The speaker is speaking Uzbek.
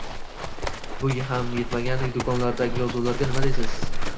Bu yetmagandek, do‘konlardagi yozuvlarga nima deysiz.